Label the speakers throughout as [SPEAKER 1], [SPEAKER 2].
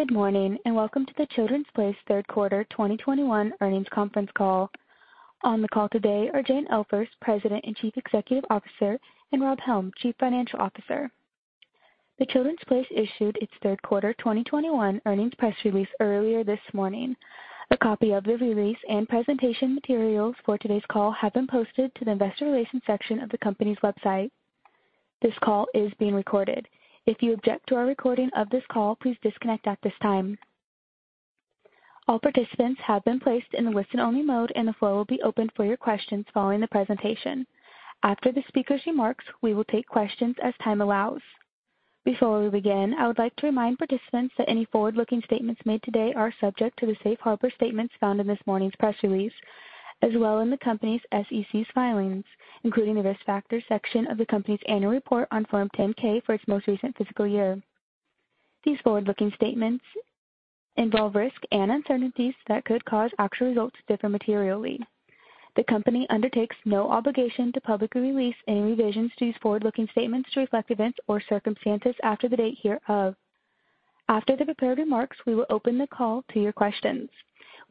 [SPEAKER 1] Good morning, and welcome to The Children's Place Q3 2021 earnings conference call. On the call today are Jane Elfers, President and Chief Executive Officer, and Rob Helm, Chief Financial Officer. The Children's Place issued its Q3 2021 earnings press release earlier this morning. A copy of the release and presentation materials for today's call have been posted to the investor relations section of the company's website. This call is being recorded. If you object to our recording of this call, please disconnect at this time. All participants have been placed in a listen-only mode, and the floor will be opened for your questions following the presentation. After the speakers' remarks, we will take questions as time allows. Before we begin, I would like to remind participants that any forward-looking statements made today are subject to the safe harbor statements found in this morning's press release, as well as in the company's SEC filings, including the Risk Factors section of the company's annual report on Form 10-K for its most recent fiscal year. These forward-looking statements involve risks and uncertainties that could cause actual results to differ materially. The company undertakes no obligation to publicly release any revisions to these forward-looking statements to reflect events or circumstances after the date hereof. After the prepared remarks, we will open the call to your questions.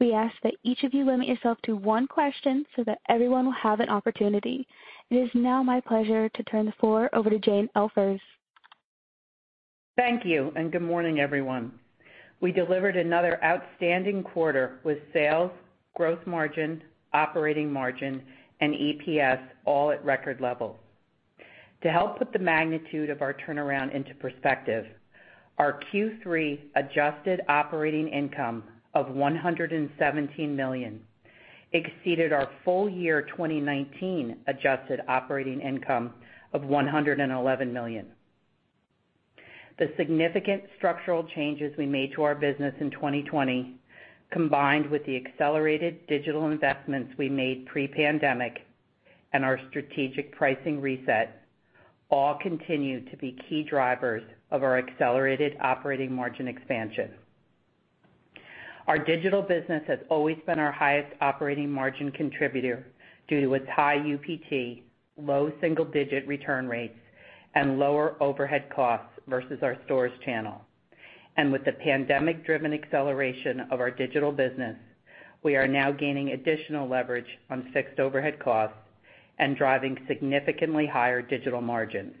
[SPEAKER 1] We ask that each of you limit yourself to one question so that everyone will have an opportunity. It is now my pleasure to turn the floor over to Jane Elfers.
[SPEAKER 2] Thank you and good morning, everyone. We delivered another outstanding quarter with sales, gross margin, operating margin, and EPS all at record levels. To help put the magnitude of our turnaround into perspective, our Q3 adjusted operating income of $117 million exceeded our full year 2019 adjusted operating income of $111 million. The significant structural changes we made to our business in 2020, combined with the accelerated digital investments we made pre-pandemic and our strategic pricing reset, all continue to be key drivers of our accelerated operating margin expansion. Our digital business has always been our highest operating margin contributor due to its high UPT, low single-digit return rates, and lower overhead costs versus our stores channel. With the pandemic-driven acceleration of our digital business, we are now gaining additional leverage on fixed overhead costs and driving significantly higher digital margins.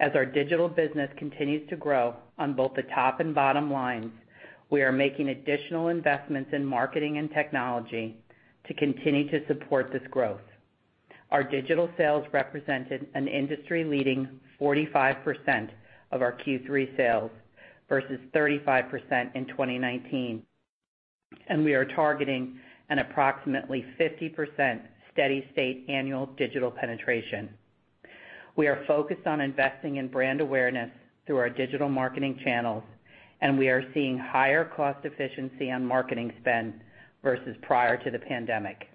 [SPEAKER 2] As our digital business continues to grow on both the top and bottom lines, we are making additional investments in marketing and technology to continue to support this growth. Our digital sales represented an industry-leading 45% of our Q3 sales versus 35% in 2019, and we are targeting an approximately 50% steady state annual digital penetration. We are focused on investing in brand awareness through our digital marketing channels, and we are seeing higher cost efficiency on marketing spend versus prior to the pandemic.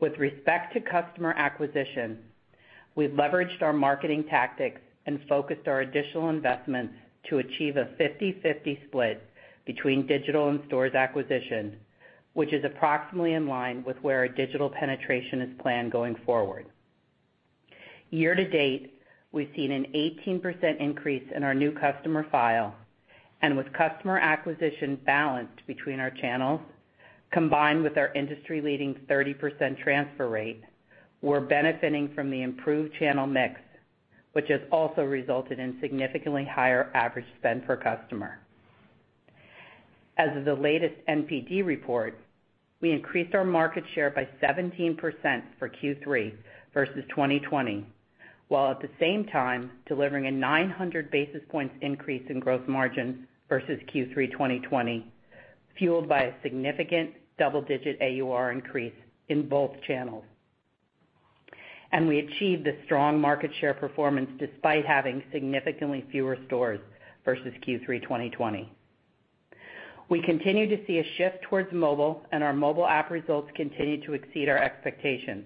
[SPEAKER 2] With respect to customer acquisition, we've leveraged our marketing tactics and focused our additional investments to achieve a 50/50 split between digital and stores acquisition, which is approximately in line with where our digital penetration is planned going forward. Year to date, we've seen an 18% increase in our new customer file. With customer acquisition balanced between our channels, combined with our industry-leading 30% transfer rate, we're benefiting from the improved channel mix, which has also resulted in significantly higher average spend per customer. As of the latest NPD report, we increased our market share by 17% for Q3 versus 2020, while at the same time delivering a 900 basis points increase in gross margin versus Q3 2020, fueled by a significant double-digit AUR increase in both channels. We achieved this strong market share performance despite having significantly fewer stores versus Q3 2020. We continue to see a shift towards mobile, and our mobile app results continue to exceed our expectations.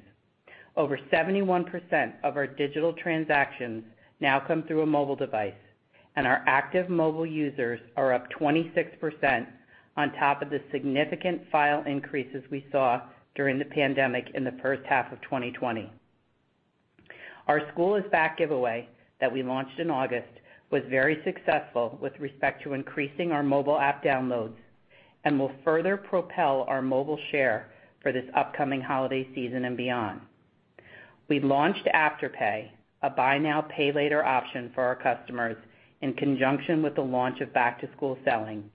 [SPEAKER 2] Over 71% of our digital transactions now come through a mobile device, and our active mobile users are up 26% on top of the significant file increases we saw during the pandemic in the first half of 2020. Our School Is Back giveaway that we launched in August was very successful with respect to increasing our mobile app downloads and will further propel our mobile share for this upcoming holiday season and beyond. We launched Afterpay, a buy now, pay later option for our customers in conjunction with the launch of back-to-school selling,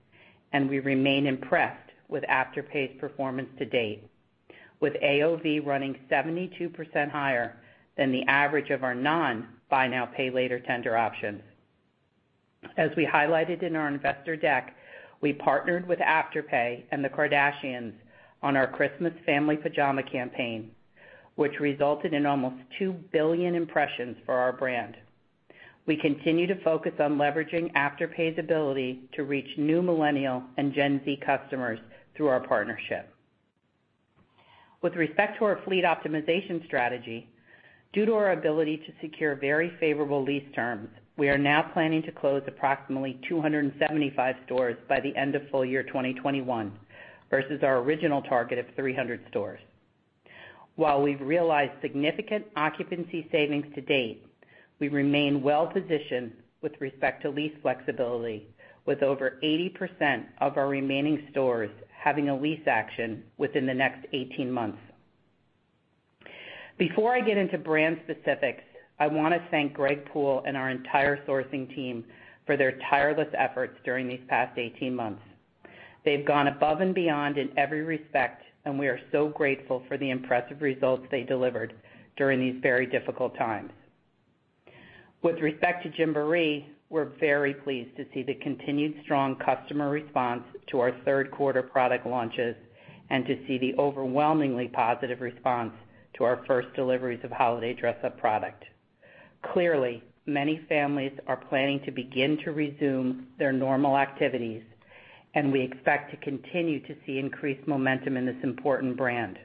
[SPEAKER 2] and we remain impressed with Afterpay's performance to date, with AOV running 72% higher than the average of our non-buy now, pay later tender options. As we highlighted in our investor deck, we partnered with Afterpay and the Kardashians on our Christmas Family Pajama campaign, which resulted in almost two billion impressions for our brand. We continue to focus on leveraging Afterpay's ability to reach new millennial and Gen Z customers through our partnership. With respect to our fleet optimization strategy, due to our ability to secure very favorable lease terms, we are now planning to close approximately 275 stores by the end of full year 2021 versus our original target of 300 stores. While we've realized significant occupancy savings to date, we remain well positioned with respect to lease flexibility with over 80% of our remaining stores having a lease action within the next eighteen months. Before I get into brand specifics, I wanna thank Greg Poole and our entire sourcing team for their tireless efforts during these past 18 months. They've gone above and beyond in every respect, and we are so grateful for the impressive results they delivered during these very difficult times. With respect to Gymboree, we're very pleased to see the continued strong customer response to our third quarter product launches and to see the overwhelmingly positive response to our first deliveries of holiday dress-up product. Clearly, many families are planning to begin to resume their normal activities, and we expect to continue to see increased momentum in this important brand.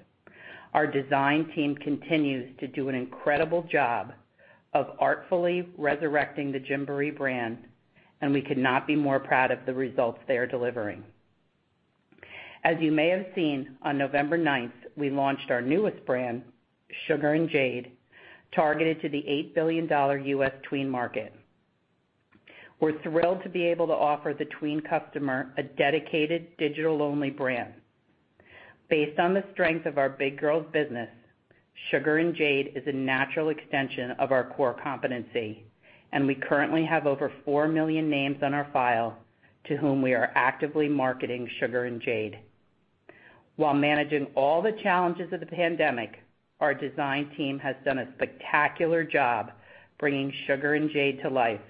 [SPEAKER 2] Our design team continues to do an incredible job of artfully resurrecting the Gymboree brand, and we could not be more proud of the results they are delivering. As you may have seen, on November 9, we launched our newest brand, Sugar & Jade, targeted to the $8 billion U.S. tween market. We're thrilled to be able to offer the tween customer a dedicated digital-only brand. Based on the strength of our big girls business, Sugar & Jade is a natural extension of our core competency, and we currently have over four million names on our file to whom we are actively marketing Sugar & Jade. While managing all the challenges of the pandemic, our design team has done a spectacular job bringing Sugar & Jade to life,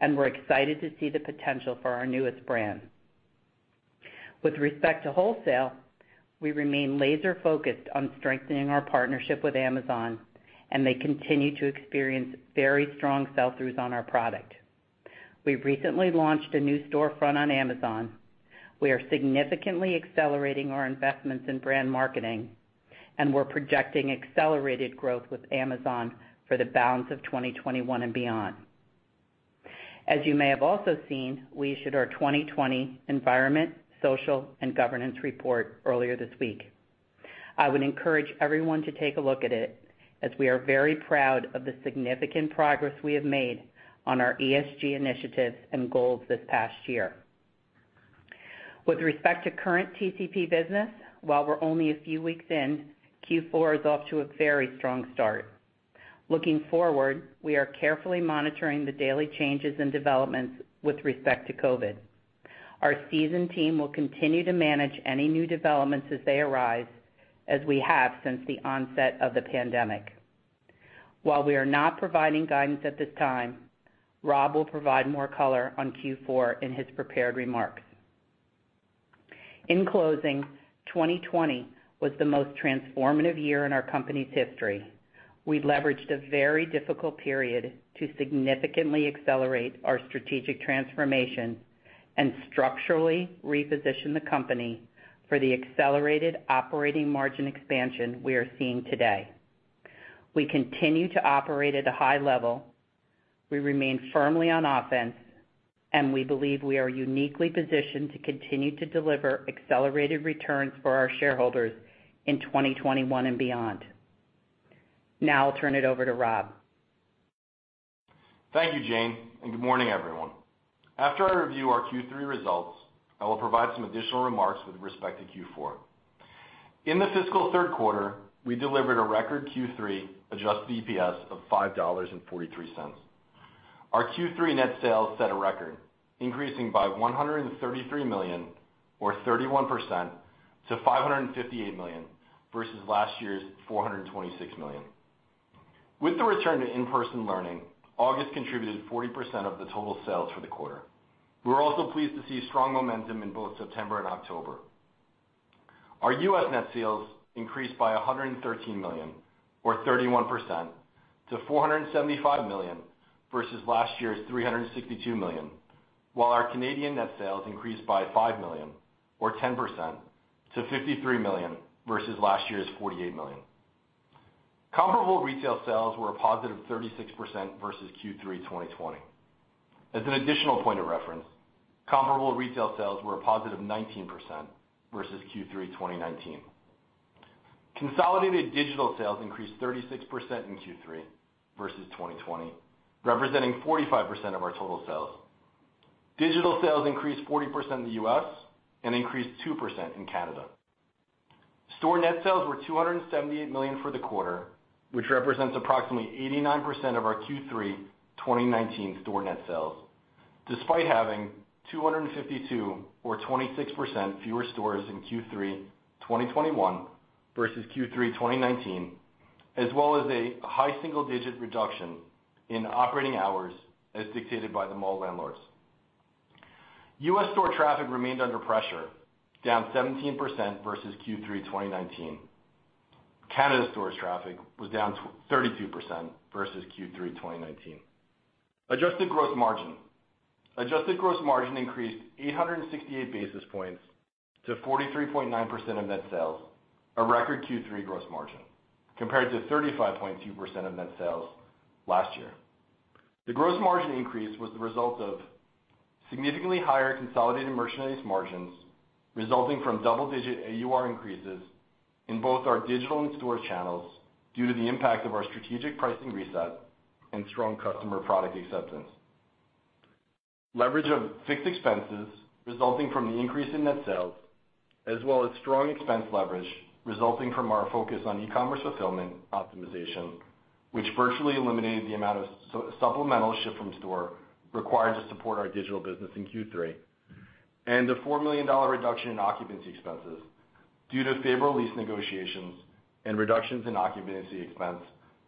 [SPEAKER 2] and we're excited to see the potential for our newest brand. With respect to wholesale, we remain laser-focused on strengthening our partnership with Amazon, and they continue to experience very strong sell-throughs on our product. We've recently launched a new storefront on Amazon. We are significantly accelerating our investments in brand marketing, and we're projecting accelerated growth with Amazon for the balance of 2021 and beyond. As you may have also seen, we issued our 2020 Environmental, Social, and Governance report earlier this week. I would encourage everyone to take a look at it as we are very proud of the significant progress we have made on our ESG initiatives and goals this past year. With respect to current TCP business, while we're only a few weeks in, Q4 is off to a very strong start. Looking forward, we are carefully monitoring the daily changes and developments with respect to COVID. Our seasoned team will continue to manage any new developments as they arise, as we have since the onset of the pandemic. While we are not providing guidance at this time, Rob will provide more color on Q4 in his prepared remarks. In closing, 2020 was the most transformative year in our company's history. We leveraged a very difficult period to significantly accelerate our strategic transformation and structurally reposition the company for the accelerated operating margin expansion we are seeing today. We continue to operate at a high level. We remain firmly on offense, and we believe we are uniquely positioned to continue to deliver accelerated returns for our shareholders in 2021 and beyond. Now I'll turn it over to Rob.
[SPEAKER 3] Thank you, Jane, and good morning, everyone. After I review our Q3 results, I will provide some additional remarks with respect to Q4. In the fiscal third quarter, we delivered a record Q3 adjusted EPS of $5.43. Our Q3 net sales set a record, increasing by $133 million or 31% to $558 million versus last year's $426 million. With the return to in-person learning, August contributed 40% of the total sales for the quarter. We were also pleased to see strong momentum in both September and October. Our U.S. net sales increased by $113 million or 31% to $475 million versus last year's $362 million, while our Canadian net sales increased by $5 million or 10% to $53 million versus last year's $48 million. Comparable retail sales were a positive 36% versus Q3 2020. As an additional point of reference, comparable retail sales were a positive 19% versus Q3 2019. Consolidated digital sales increased 36% in Q3 versus 2020, representing 45% of our total sales. Digital sales increased 40% in the U.S. and increased 2% in Canada. Store net sales were $278 million for the quarter, which represents approximately 89% of our Q3 2019 store net sales, despite having 252 or 26% fewer stores in Q3 2021 versus Q3 2019, as well as a high single-digit reduction in operating hours as dictated by the mall landlords. U.S. store traffic remained under pressure, down 17% versus Q3 2019. Canada stores traffic was down 32% versus Q3 2019. Adjusted gross margin. Adjusted gross margin increased 868 basis points to 43.9% of net sales, a record Q3 gross margin compared to 35.2% of net sales last year. The gross margin increase was the result of significantly higher consolidated merchandise margins resulting from double-digit AUR increases in both our digital and store channels due to the impact of our strategic pricing reset and strong customer product acceptance. Leverage of fixed expenses resulting from the increase in net sales, as well as strong expense leverage resulting from our focus on e-commerce fulfillment optimization, which virtually eliminated the amount of supplemental ship from store required to support our digital business in Q3, and a $4 million reduction in occupancy expenses due to favorable lease negotiations and reductions in occupancy expense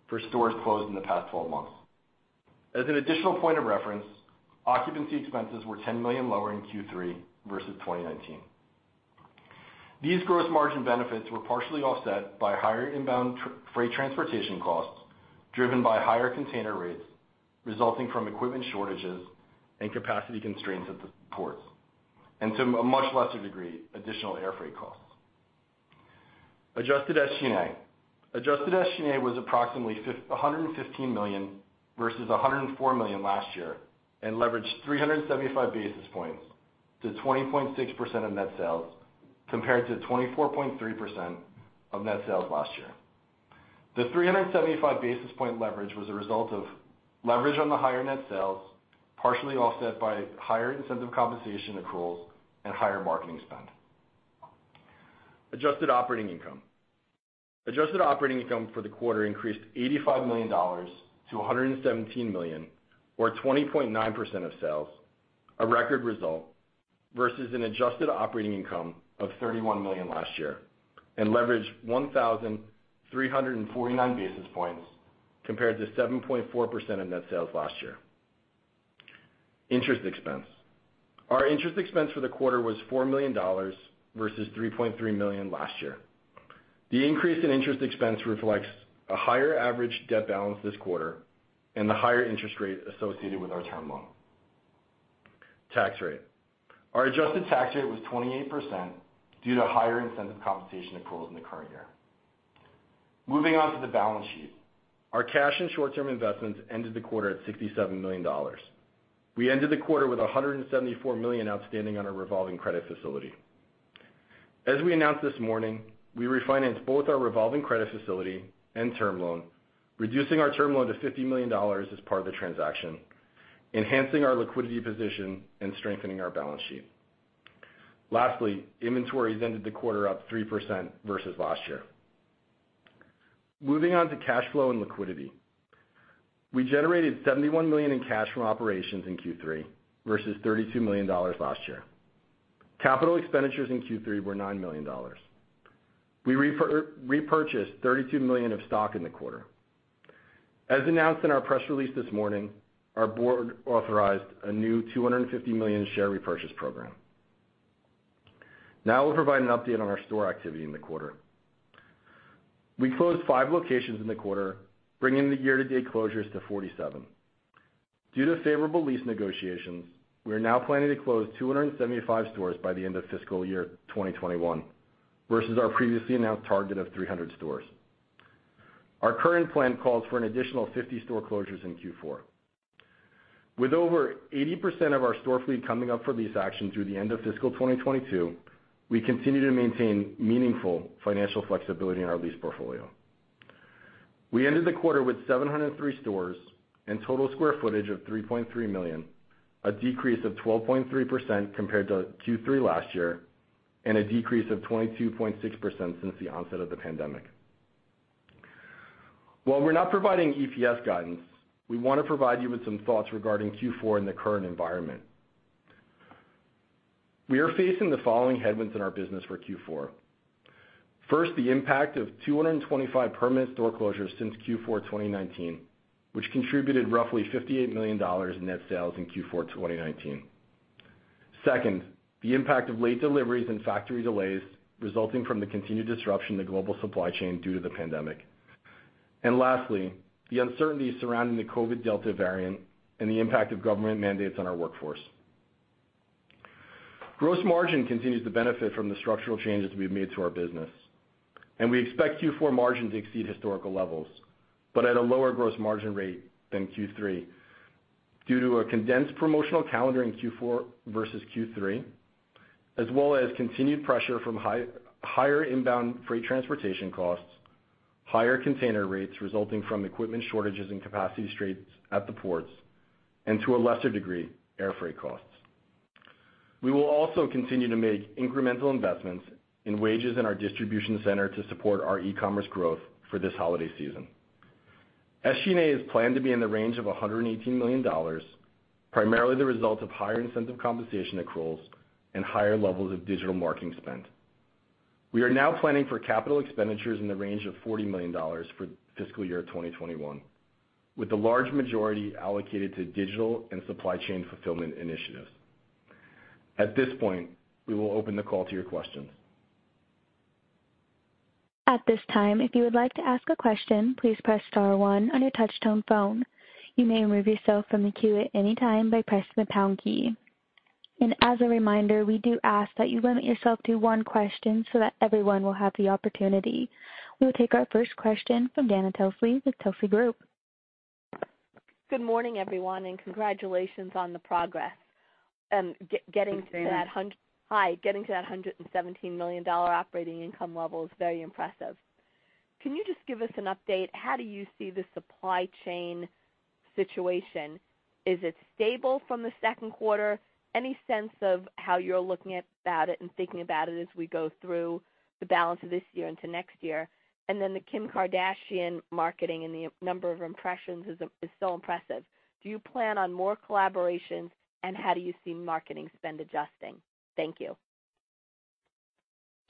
[SPEAKER 3] for stores closed in the past 12 months. As an additional point of reference, occupancy expenses were $10 million lower in Q3 versus 2019. These gross margin benefits were partially offset by higher inbound freight transportation costs, driven by higher container rates resulting from equipment shortages and capacity constraints at the ports, and to a much lesser degree, additional airfreight costs. Adjusted SG&A. Adjusted SG&A was approximately $115 million versus $104 million last year, and leveraged 375 basis points to 20.6% of net sales, compared to 24.3% of net sales last year. The 375 basis point leverage was a result of leverage on the higher net sales, partially offset by higher incentive compensation accruals and higher marketing spend. Adjusted operating income. Adjusted operating income for the quarter increased $85 million to $117 million, or 20.9% of sales, a record result, versus an adjusted operating income of $31 million last year, and leveraged 1,349 basis points compared to 7.4% of net sales last year. Interest expense. Our interest expense for the quarter was $4 million versus $3.3 million last year. The increase in interest expense reflects a higher average debt balance this quarter and the higher interest rate associated with our term loan. Tax rate. Our adjusted tax rate was 28% due to higher incentive compensation accruals in the current year. Moving on to the balance sheet. Our cash and short-term investments ended the quarter at $67 million. We ended the quarter with $174 million outstanding on our revolving credit facility. As we announced this morning, we refinanced both our revolving credit facility and term loan, reducing our term loan to $50 million as part of the transaction, enhancing our liquidity position and strengthening our balance sheet. Lastly, inventories ended the quarter up 3% versus last year. Moving on to cash flow and liquidity. We generated $71 million in cash from operations in Q3 versus $32 million last year. Capital expenditures in Q3 were $9 million. We repurchased $32 million of stock in the quarter. As announced in our press release this morning, our board authorized a new $250 million share repurchase program. Now we'll provide an update on our store activity in the quarter. We closed five locations in the quarter, bringing the year-to-date closures to 47. Due to favorable lease negotiations, we are now planning to close 275 stores by the end of fiscal year 2021 versus our previously announced target of 300 stores. Our current plan calls for an additional 50 store closures in Q4. With over 80% of our store fleet coming up for lease action through the end of fiscal 2022, we continue to maintain meaningful financial flexibility in our lease portfolio. We ended the quarter with 703 stores and total square footage of 3.3 million sq ft, a decrease of 12.3% compared to Q3 last year, and a decrease of 22.6% since the onset of the pandemic. While we're not providing EPS guidance, we wanna provide you with some thoughts regarding Q4 in the current environment. We are facing the following headwinds in our business for Q4. First, the impact of 225 permanent store closures since Q4 2019, which contributed roughly $58 million in net sales in Q4 2019. Second, the impact of late deliveries and factory delays resulting from the continued disruption to global supply chain due to the pandemic. Lastly, the uncertainty surrounding the COVID Delta variant and the impact of government mandates on our workforce. Gross margin continues to benefit from the structural changes we've made to our business, and we expect Q4 margin to exceed historical levels, but at a lower gross margin rate than Q3 due to a condensed promotional calendar in Q4 versus Q3, as well as continued pressure from higher inbound freight transportation costs, higher container rates resulting from equipment shortages and capacity constraints at the ports, and to a lesser degree, airfreight costs. We will also continue to make incremental investments in wages in our distribution center to support our e-commerce growth for this holiday season. SG&A is planned to be in the range of $118 million, primarily the result of higher incentive compensation accruals and higher levels of digital marketing spend. We are now planning for capital expenditures in the range of $40 million for fiscal year 2021, with the large majority allocated to digital and supply chain fulfillment initiatives. At this point, we will open the call to your questions.
[SPEAKER 1] At this time, if you would like to ask a question, please press star one on your touchtone phone. You may remove yourself from the queue at any time by pressing the pound key. As a reminder, we do ask that you limit yourself to one question so that everyone will have the opportunity. We will take our first question from Dana Telsey with Telsey Group.
[SPEAKER 4] Good morning, everyone, and congratulations on the progress.
[SPEAKER 2] Thanks, Dana.
[SPEAKER 4] Hi. Getting to that $117 million operating income level is very impressive. Can you just give us an update, how do you see the supply chain situation? Is it stable from the second quarter? Any sense of how you're looking at it and thinking about it as we go through the balance of this year into next year? The Kim Kardashian marketing and the number of impressions is so impressive. Do you plan on more collaborations, and how do you see marketing spend adjusting? Thank you.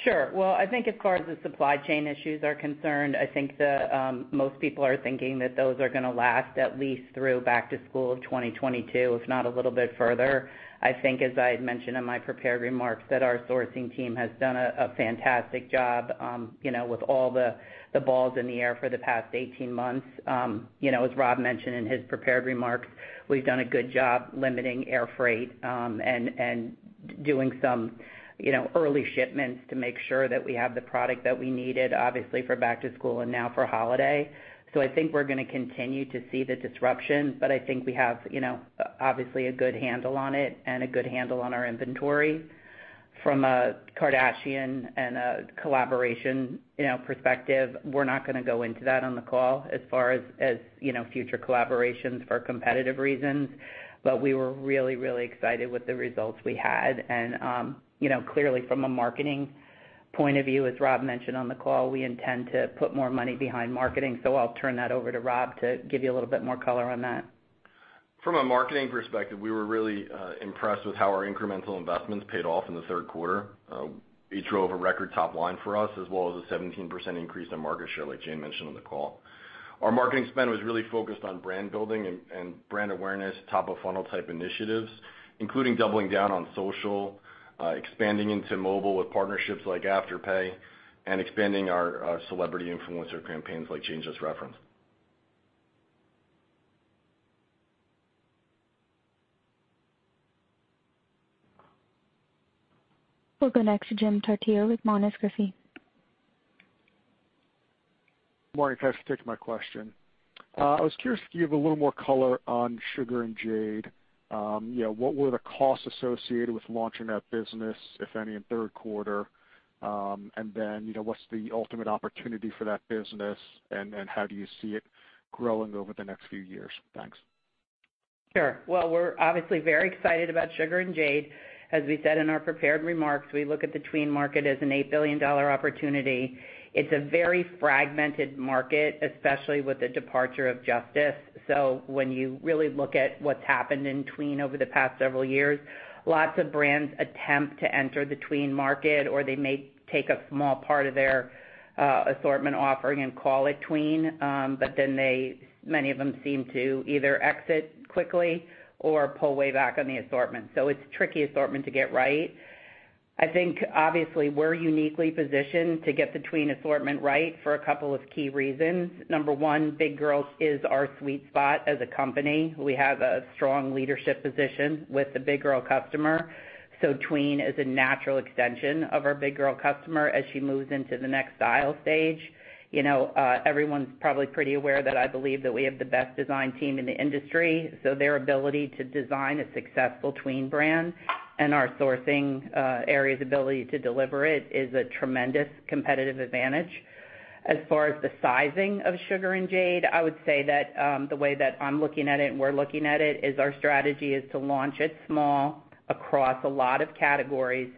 [SPEAKER 2] Sure. Well, I think as far as the supply chain issues are concerned, I think the most people are thinking that those are gonna last at least through back to school of 2022, if not a little bit further. I think, as I had mentioned in my prepared remarks, that our sourcing team has done a fantastic job, you know, with all the balls in the air for the past 18 months. You know, as Rob mentioned in his prepared remarks, we've done a good job limiting air freight, and doing some, you know, early shipments to make sure that we have the product that we needed, obviously, for back to school and now for holiday. I think we're gonna continue to see the disruption, but I think we have, you know, obviously a good handle on it and a good handle on our inventory. From a Kardashian and a collaboration, you know, perspective, we're not gonna go into that on the call as far as you know, future collaborations for competitive reasons. We were really excited with the results we had. You know, clearly from a marketing point of view, as Rob mentioned on the call, we intend to put more money behind marketing. I'll turn that over to Rob to give you a little bit more color on that.
[SPEAKER 3] From a marketing perspective, we were really impressed with how our incremental investments paid off in the third quarter. We drove a record top line for us, as well as a 17% increase in market share, like Jane mentioned on the call. Our marketing spend was really focused on brand building and brand awareness, top of funnel type initiatives, including doubling down on social, expanding into mobile with partnerships like Afterpay and expanding our celebrity influencer campaigns like Jane just referenced. We'll go next to Jim Chartier with Monness, Crespi.
[SPEAKER 5] Morning. Thanks for taking my question. I was curious if you could give a little more color on Sugar & Jade. You know, what were the costs associated with launching that business, if any, in third quarter? And then, you know, what's the ultimate opportunity for that business, and how do you see it growing over the next few years? Thanks.
[SPEAKER 2] Sure. Well, we're obviously very excited about Sugar & Jade. As we said in our prepared remarks, we look at the tween market as an $8 billion opportunity. It's a very fragmented market, especially with the departure of Justice. When you really look at what's happened in tween over the past several years, lots of brands attempt to enter the tween market, or they may take a small part of their assortment offering and call it tween. Many of them seem to either exit quickly or pull way back on the assortment. It's a tricky assortment to get right. I think, obviously, we're uniquely positioned to get the tween assortment right for a couple of key reasons. Number one, big girls is our sweet spot as a company. We have a strong leadership position with the big girl customer, so tween is a natural extension of our big girl customer as she moves into the next style stage. You know, everyone's probably pretty aware that I believe that we have the best design team in the industry, so their ability to design a successful tween brand and our sourcing area's ability to deliver it is a tremendous competitive advantage. As far as the sizing of Sugar & Jade, I would say that, the way that I'm looking at it and we're looking at it is our strategy is to launch it small across a lot of categories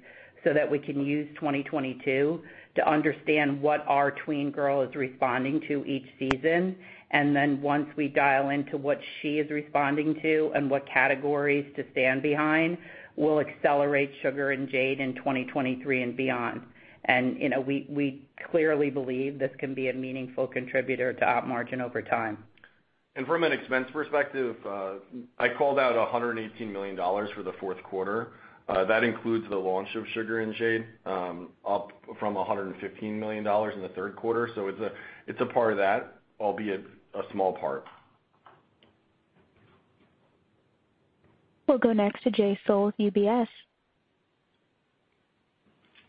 [SPEAKER 2] so that we can use 2022 to understand what our tween girl is responding to each season. Then once we dial into what she is responding to and what categories to stand behind, we'll accelerate Sugar & Jade in 2023 and beyond. You know, we clearly believe this can be a meaningful contributor to op margin over time.
[SPEAKER 3] From an expense perspective, I called out $118 million for the fourth quarter. That includes the launch of Sugar & Jade, up from $115 million in the third quarter. It's a part of that, albeit a small part. We'll go next to Jay Sole with UBS.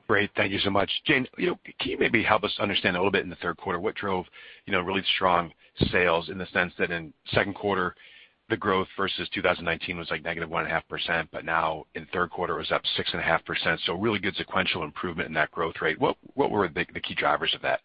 [SPEAKER 6] Great. Thank you so much. Jane, you know, can you maybe help us understand a little bit in the third quarter what drove, you know, really strong sales in the sense that in second quarter, the growth versus 2019 was, like, -1.5%, but now in third quarter was up 6.5%. Really good sequential improvement in that growth rate. What were the key drivers of that?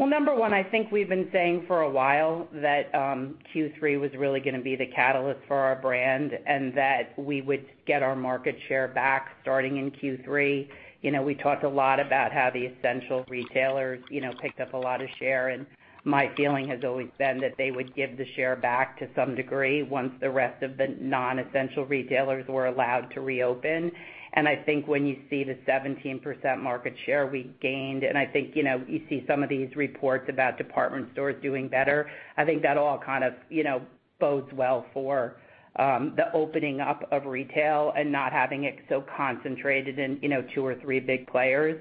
[SPEAKER 2] Well, number one, I think we've been saying for a while that Q3 was really gonna be the catalyst for our brand and that we would get our market share back starting in Q3. You know, we talked a lot about how the essential retailers, you know, picked up a lot of share, and my feeling has always been that they would give the share back to some degree once the rest of the non-essential retailers were allowed to reopen. I think when you see the 17% market share we gained, and I think, you know, you see some of these reports about department stores doing better, I think that all kind of, you know, bodes well for the opening up of retail and not having it so concentrated in, you know, two or three big players.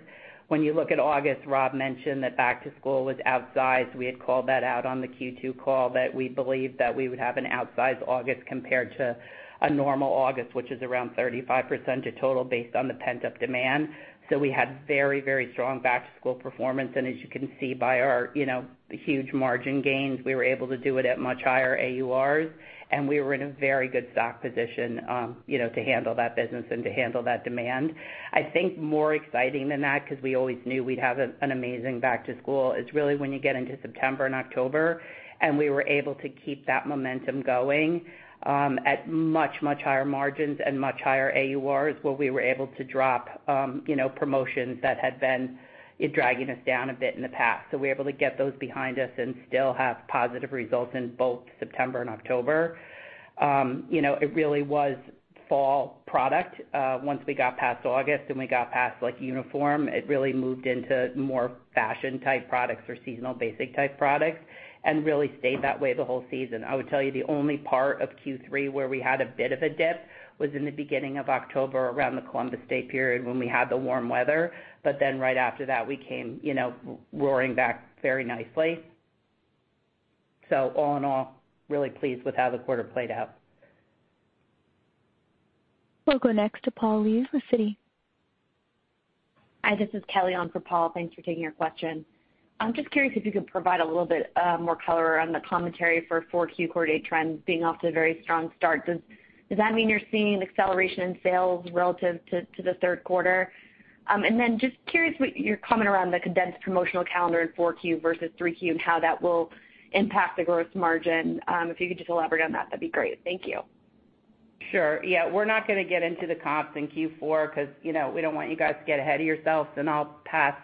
[SPEAKER 2] When you look at August, Rob mentioned that back to school was outsized. We had called that out on the Q2 call that we believed that we would have an outsized August compared to a normal August, which is around 35% of total based on the pent-up demand. We had very, very strong back to school performance. As you can see by our, you know, huge margin gains, we were able to do it at much higher AURs, and we were in a very good stock position, you know, to handle that business and to handle that demand. I think more exciting than that, 'cause we always knew we'd have an amazing back to school, is really when you get into September and October, and we were able to keep that momentum going, at much higher margins and much higher AURs, where we were able to drop, you know, promotions that had been dragging us down a bit in the past. We were able to get those behind us and still have positive results in both September and October. You know, it really was fall product. Once we got past August and we got past, like, uniform, it really moved into more fashion type products or seasonal basic type products and really stayed that way the whole season. I would tell you the only part of Q3 where we had a bit of a dip was in the beginning of October around the Columbus Day period when we had the warm weather. Right after that, we came, you know, roaring back very nicely. All in all, really pleased with how the quarter played out.
[SPEAKER 1] We'll go next to Paul Lejuez with Citi.
[SPEAKER 7] Hi, this is Kelly on for Paul Lejuez. Thanks for taking our question. I'm just curious if you could provide a little bit more color on the commentary for Q4 quarterly trends being off to a very strong start. Does that mean you're seeing an acceleration in sales relative to the third quarter? And then just curious what your commentary around the condensed promotional calendar in Q4 versus Q3 and how that will impact the gross margin. If you could just elaborate on that'd be great. Thank you.
[SPEAKER 2] Sure. Yeah, we're not gonna get into the comps in Q4 'cause, you know, we don't want you guys to get ahead of yourselves, and I'll pass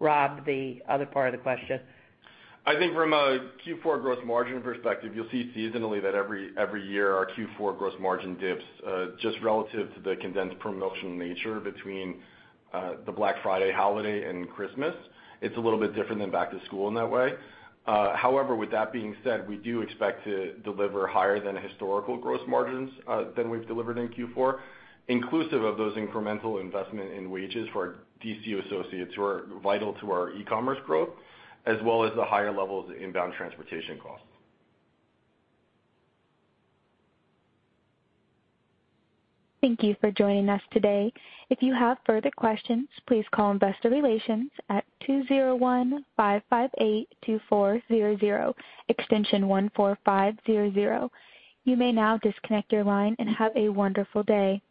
[SPEAKER 2] Rob the other part of the question.
[SPEAKER 3] I think from a Q4 gross margin perspective, you'll see seasonally that every year, our Q4 gross margin dips just relative to the condensed promotional nature between the Black Friday holiday and Christmas. It's a little bit different than back to school in that way. However, with that being said, we do expect to deliver higher than historical gross margins than we've delivered in Q4, inclusive of those incremental investment in wages for our DC associates who are vital to our e-commerce growth as well as the higher levels of inbound transportation costs.
[SPEAKER 1] Thank you for joining us today. If you have further questions, please call investor relations at 201-558-2400 extension 14500. You may now disconnect your line and have a wonderful day.